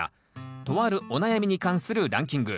とあるお悩みに関するランキング。